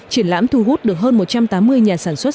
triển lãm thu hút được hơn một trăm tám mươi nhà sản xuất